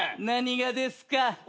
何がですか？